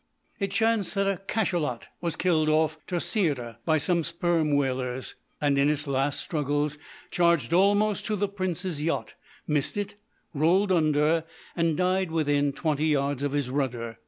It chanced that a cachalot was killed off Terceira by some sperm whalers, and in its last struggles charged almost to the Prince's yacht, missed it, rolled under, and died within twenty yards of his rudder.